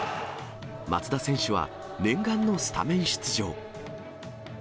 松田選手は、念願のスタメン出場。